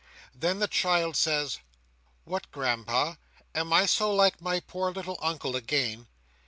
Then the child says: "What, grandpa! Am I so like my poor little Uncle again?"